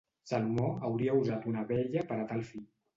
Salomó hauria usat una abella per a tal fi.